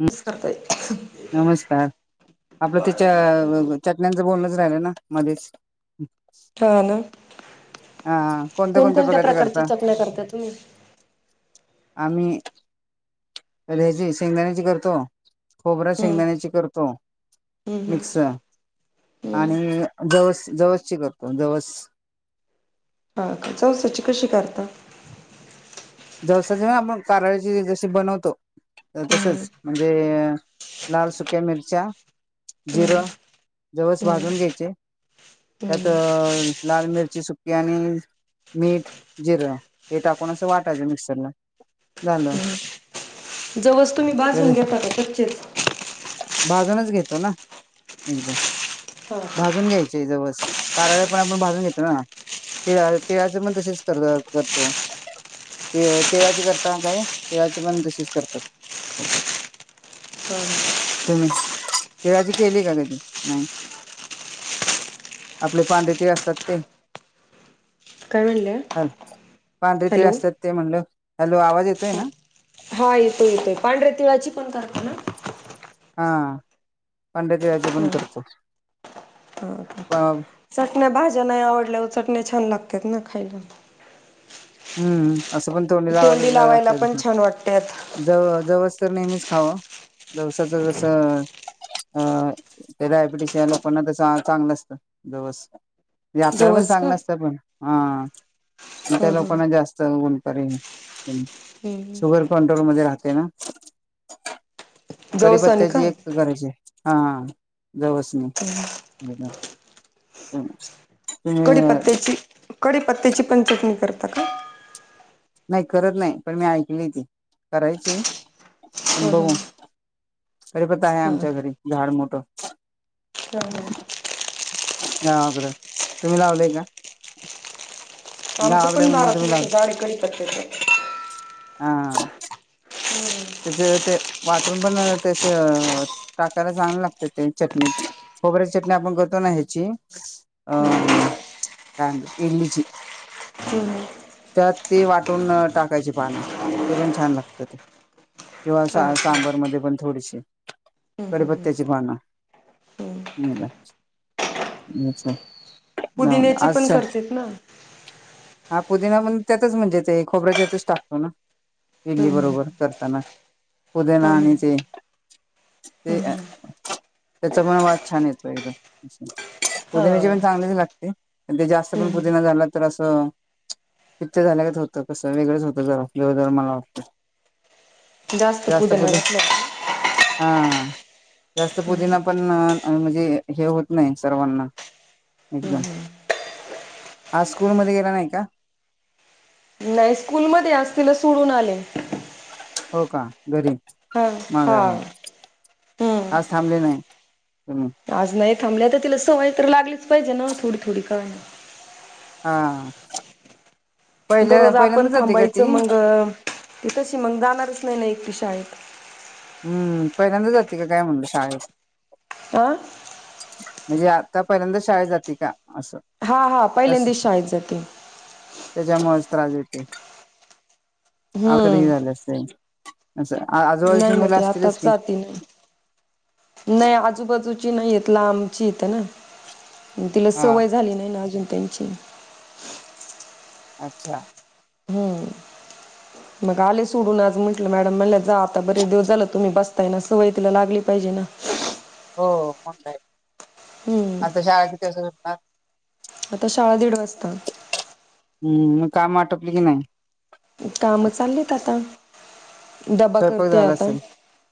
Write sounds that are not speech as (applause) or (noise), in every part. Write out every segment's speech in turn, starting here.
हम्! च करतोय. नमस्कार, आपलं त्याच्या चटण्यांचं बोलणच राहिलं ना मध्येच हम्! हा ना. कोणत्या कोणत्या कोणकोणत्या प्रकारचे प्रकारच्या करता चटण्या करता तुम्ही? आम्ही अ हेची शेंगदाण्याची करतो, खोबरा हम्म शेंगदाण्याची करतो. हम्म मिक्स हम्म हम्म आणि जवस जवसची करतो जवस. हा. जावसाची कशी करता? जवसा जेव्हा आपण कारळाची जशी बनवतो. हम्म तसच म्हणजे लाल सुक्या मिरच्या हम्म जिरं जवस हम्म भाजून घ्यायचे. हम्म त्यात लाल मिरची सुकी आणि मीठ, जिरं हे टाकून असं वाटायचं मिक्सरला झालं. जवस तुम्ही तर भाजून घेता का कच्चेच? भाजूनच घेतो ना एकदाम हा का भाजून घ्यायच. जवस काराळे पण आपण भाजुन घेतो ना तिळा तिळाचं पण तसेच कर करतो ते तिळाची करता काय तिळाची पण तशीच करतात खुप तर तुम्ही तिळाची केली का कधी नाही आपले पांढरे तिळ असतात ते काय म्हणल्या? ह पांढरे तीळ हॅलो. असतात ते म्हणल हॅलो आवाज येतोय ना हा येतोय येतोय पांढरे तिळाची पण करतो ना हा पांढरी तीळाची पण हा करतो हा का चटण्या भााज्या नाही आवडलंय चटण्या छान लागतेत ना खायला हम्म असं पण तोंडी लावायला जां लागत पण छान वाटत्यात. त जव जवस तर नेहमीच खावा जवसाचसं अ ते डायबिटीस च्या लोकांना त्याच चांगलं असतं जवस आपल्याला पण जवस का? चांगल्या असत पण हा त्या हा लो हा जास्त गुणकारी हम्म शुगर कंट्रोल मध्ये राहते ना जवसानी कडीपत्त्याची का? एक करायची हा जवस नी (inaudible) (inaudible) कढी पत्त्याची, कढी पत्त्याची पण चटणी करता का? नाही करत नाही पण मी ऐकली ती करायची पण हा हा बघू. कडीपत्ता आहे हा आमच्या घरी झाड मोठ हा हा गावाकडं तुम्ही लावलंय का? आमचं गावाकडे पण म्हणलं दारात तुम्ही लावल पुढे झाड आहे कडीपत्त्याच हा हम्म त्याच ते वाटून पण तस टाकायला चांगलं लागत ते चटणी त खोबऱ्याची चटणी आपण करतो ना ह्याची अ काय म्हणतात इडली ची ह त्यात ती वाटुन टाकायची पानं ते पण छान लागत ते हा किंवा का सांबर मध्ये पण थोडीशी कढिपत्त्याची पान हम्म हो अच्छा ना पुदिन्याची आज पण करतेत ना. हा पुदिना पण त्यातच म्हणजे ते खोबऱ्याच्यातच टाकतो ना इडली हम्म बरोबर करताना पुदिना ना हा आणि ते ते त्याचा पण वास छान येतो एकदम पुदिन्याचे पण चांगलेच लागते ते जास्त पण हम्म पुदिना झाला तर असं पित्त झाल्याच होतं कसं वेगळंच होतं जर आपल्या जर मळ जास्त पुदिना घातला का? पुदीना हा जास्त पुदिना पण म्हणजे हे होत नाही सर्वांना एकदम आज स्कुलमध्ये गेला नाही का नाही स्कुलमध्ये आज तिला सोडुन आले हो का घरी हा हा माघारी हम्म आज थांबले नाही तुम्ही आज नाही थांबल्या तर तिला सवय तर लागलीच पाहिजे ना थोडी थोडी का होय ना हा पहिल्या दररोज पहिल्यांदा आपण जाते का ती? थांबायचं मग त तशी मग जाणारच नाही ना एकटी शाळेत हम्म पहिल्यांदा जाते काय मग शाळेत अं म्हणजे आतापर्यंत शाळेत जाती का असं हा हा बस पहिल्यांदीच शाळेत जातीय. त्याच्यामुळेच त्रास देते अवघड झालं हम्म असते. अस आजू बाजु. नाही, नाही ते आताच जाती नाही आजूबाजूची नाही येतला आमची येते ना. तिला हा सवय झाली नाही ना अजून त्यांची. अच्छा. हम्म. (inaudible) मग आले सोडून आज म्हटलं मॅडम म्हणलं जा आता बरे दिवस झालं तुम्ही बसताय ना सवय तिला लागली पाहिजे ना. हो म काय हम्म आता शाळा किती वाजता सुटणार? आता शाळा दीड वाजता. हम्म मग काम आटपले की नाही. कामं चाललीत आता. दबा स्वयंपाक करते झाला आता असेल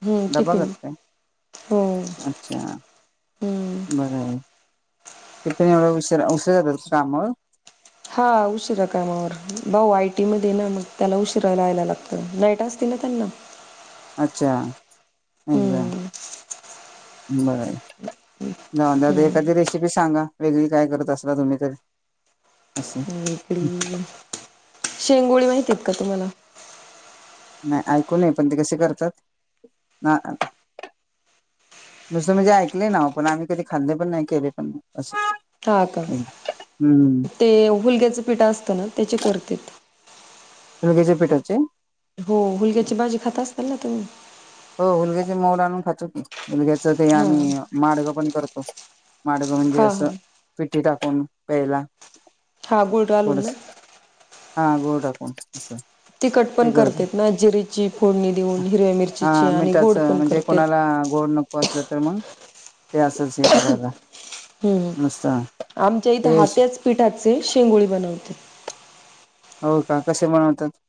हम् डबा टिफिन करताय हो. अच्छा हम्म बरं आहे ते पण एवढं उशिरा उशीर जातच कामावर हा उशिरा कामावर भाऊ आयटी मध्ये ना मग त्याला उशिरा राहायला लागत नाईट असती ना त्यांना अच्छा एकदम हम्म बर आहे जाऊ द्या एखादी रेसिपी सांगा वेगळी काय करत असला तुम्ही तरी शेंगोळी माहिती आहेत का तुम्हाला नाही ऐकूय पण ते कसे करतात ना आ. नुसत म्हणजे ऐकले ना पण आम्ही कधी खाल्ले पण नाही केले पण अस हा का ते हूलग्याच पिट असतं ना त्याचे करतात. हुलग्याच्या पिठाचे हो हुलग्याची भाजी खाता असताल ना तुम्ही. हो हुलग्याचे मोड आणून खातो की हुलग्याच ते हां आम्ही माडगं पण करतो. माडगं म्हणजे हां असं हां पीठी टाकून प्यायला. हां गुळ घालून. थोडस हा गुळ टाकून असं ते करत. जिऱ्याची फोडणी देऊन हिरव्या मिरिचा हा मिठाच म्हणजे कोणाला गोड नको असलं तर मग ते असेच. हम्म आमच्या इथं ते हातच. पिठाचे शेंगोळी बनवते. हो का कसे बनवतात.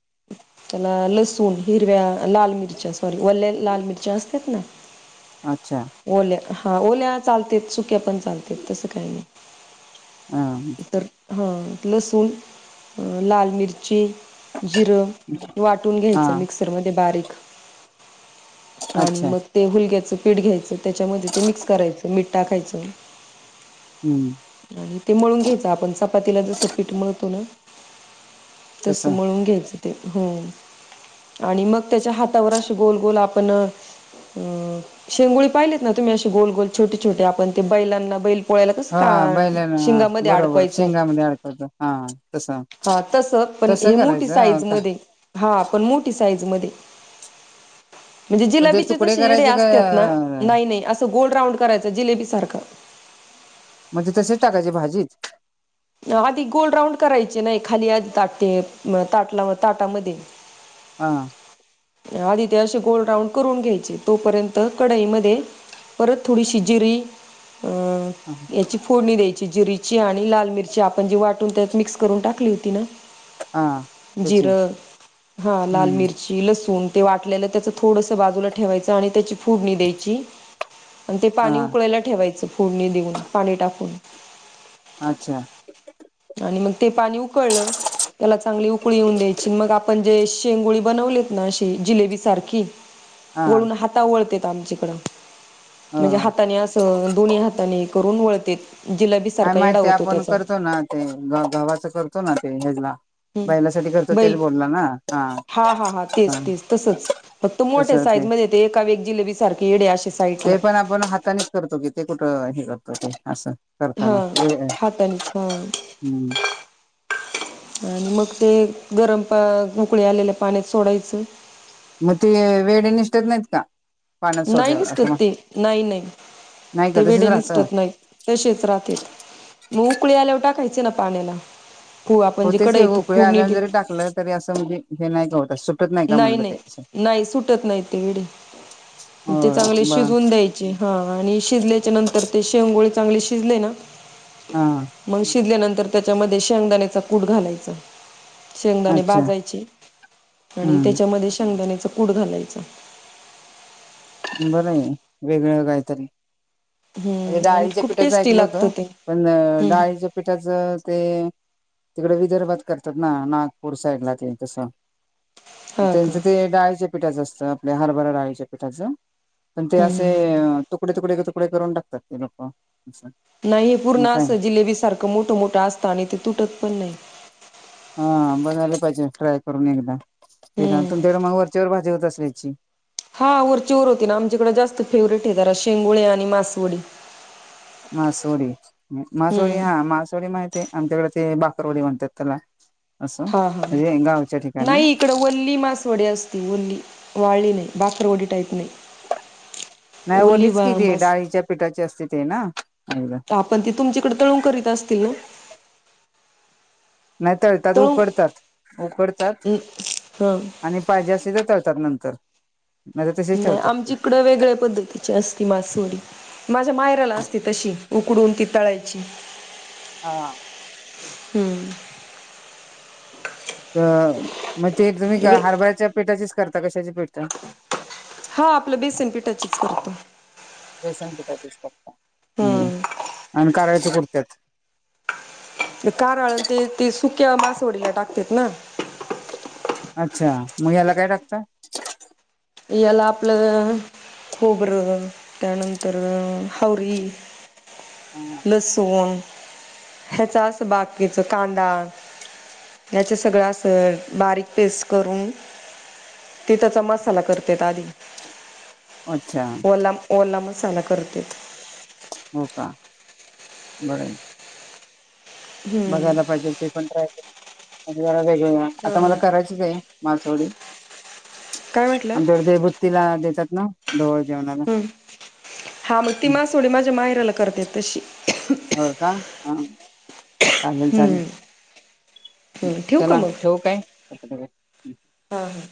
त्याला लसूण हिरव्या लाल मिरच्या सॉरी वल्या लाल मिरच्या असतात ना. अच्छा ओल्या हा ओल्या चालत सुक्या पण चालत तसं काही नाही. हा तर हा लसूण लाल मिरची. जिरं वाटून हा घ्यायचं मिक्सरमध्ये बारीक. आणि अच्छा मग ते हुलग्याचं घ्यायचं पीठ घ्यायचं त्याच्यामध्ये ते मिक्स करायचं मिठ टाकायचं. हम्म आणि ते मळून घ्यायच आपण चपातीला जसं पीठ मळतो ना. तस तसं मळून घ्यायचं ते हो. आणि मग त्याच्या हातावर असे गोल गोल आपण. अं, शेंगोळी पाहिलेत ना तुम्ही अे गोल गोल छोटे छोटे आपण ते बैलांना बैल पोळ्याला कस हा कान. बैलाना शिंगामध्ये बरोबर अडकवायचो शेंगामध्ये अडकवतो हा तसं हा तस पण. तसं हे मोठी करायचं हा साईज का मध्ये हा पण मोठी साईज मध्ये म्हणजे जिलेबीचे ज तुकडे शेडे करायचे काय असतात ना अ, नाही नाही असं गोल राऊंड करायचं जिलेबी सारखं म्हणजे तसेच टाकायचे भाजीत आधी गोल राऊंड करायचे नाही खाली आध ताटे ताटला ताटामध्ये हा आधी ते अे गोल राऊंड करून घ्यायचे तोपर्यंत कडाई मध्ये परत थोडी शिजरी हा याची फोडणी द्यायची जिरीची आणि लाल मिरची आपण जी वाटून त्यात मिक्स करून टाकली होती ना हा, त्याची जिरं हा लल हम्म मिर्च लसण ते वाटलेलं त्याच थोडस बाजूला ठेवायचं आणि त्याची फूडणी द्यायची आणि ते हा पाणी उकळायला ठेवायचं फोडणी देऊन पाणी टाकून अच्छा आणि मग ते पाणी उकळलं त्याला चांगली उकळी येऊन द्यायची मग आपण जे शेंगोळी बनवलीत ना अशी जिलेबी सारखी (unintelligible) वळून हाता वळत आमच्याकडं हो म्हणजे हा हाताने असं दोन्ही हाताने करून वळत जिलाबी काय सारखा येडा माहीत होतो आपण त्याचा करतो ना ते गव्हाच करतो ना ते हेला. बैलासाठी करतो हम्म तेच बैल बोलला ना. हा हा हा तेच तेच तसंच. फक्त मोठ्या तसं साईज ते मध्ये येते एका व एक जिलेबी सारखे येडे असे साईटला. ते पण आपण हातानेच करतो की ते कुठं हे करतो ते असं. हा करताना हाताणिच हा. हम्म आणि मग ते गरम पा उकळी आलेल्या पाण्यात सोडायचं. मग ते वेळे निष्ठत नाहीत का पाण्यात नाही सोडल्यावर निसतत असं मग ते नाही नाही नाही का ते तसेच वेडे राहतं निसतत नाही तसेच राहतेत मग उकळी आलेवटा खयचे ना पाण्याला पू आपण होतेच जेकडे की य तू उकळी खूड आल्यावर दि जरी टाकलं तरी असं म्हणजे हे नाही का होत का नाही म्हणलं ते असं नाही नाही सुटत नाही तेकडे हो ते चांगले ब शिजवून द्यायचे हा आणि शिजल्याच्या नंतर ते शेवंगोळी चांगले शिजले ना हा मग शिजल्यानंतर त्याच्यामध्ये शेंगदाण्याचा कूट घालायचा शेंगदाणे अच्छा बाजायचे आणि हम्म त्याच्यामध्ये शेंगदाण्याच कूड घालायचं बरं आहे वेगवेग काहीतरी म्हणजे हम्म आणि डाळीच्या खूप पिठाचं टेस्टी ऐकलं होत लागतं ते पण हम्म डाळीच्या पिठाच ते तिकडे विदर्भात करतात ना नागपूर साईड ला ते तसं हा का त्यांचं ते डाळीच्या पिठाचं असतं आपल्या हरभरा डाळीच्या पिठाचं पण ते असे हम्म तुकडे तुकडे तुकडे करून टाकतात ते लोक अस नाही हे पूर्ण अस जिलेबी सारखं मोठं मोठं असतं आणि ते तुटत पण नाही हा बघायले पाहिजे ट्राय करून एकदा फि हम्म तुमच्याकडे मग वरच्यावर भाजी होत असल्याची हा वरची वर होती ना आमच्याकडे जास्त फेवरेट आहे जरा शेंगोळे आणि मासवडी मासोडी हम्म मासोडी हा मासोडी माहिती आहे आमच्याकडे ते बाकरवडी म्हणतात त्याला असं म्हणजे गावच्या ठिकाणी इकडे वल्ली मासवडी असते वल्ली वाली नाही बाकररवडी टाईप नाही नाही ओली ओलीच बा किती मास डाळीच्या पिठाची असते ते ना आपण ते तुमच्याकडे तळून करीत असतील ना नाही तळतात तळून उकडतात उकडतात हा आणि पाहिजे अस तर तळतात नंतर तर तसेच नाही ठेवतात ते आमच्या इकडं वेगळ्या पद्धती अस माोडी माझ्या मायराला असती तशी उकडून ती तळायची हा हम्म अ मग ते तुम्ही वे हारबराच्या पेठाचीच करता कशाची पेठ हा आपलं बेसन पिठाचीच करतो हम्म आणि करायच्या कुर्त्यात कारळ ते ते सुक्या बसवडीला टाकतेात ना अच्छा मग याला काय टाकत याला आपलं खोबरं त्यानंतर हावरी हम लसूण ह्याचा असं बाकीचं कांदा याचे सगळं अस बारीक पेस्ट करून ते त्याचा मस्त कर आधी अच्छा ओला ओला मसाला करते हो का बरं हम्म. बघायला पाहिजे ते पणय जरा वेग हा आता मला हा करायचीच आहे मासोडी काय म्हटलं? आमच्या ते बुत्तीला देतात ना ढोळ जेवणाला हम्म हा मग ती हं, मा सोडी माझ्या मायराला करतेात तशी हो का हा चालेल चालेल हम्म. हम्म ठेवू का चला मग? ठेवू काय प हा हा